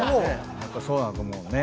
やっぱそうだと思うね。